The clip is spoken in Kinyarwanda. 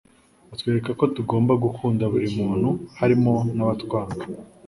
Atwerekako tugomba gukunda buri muntu harimo n'abatwanga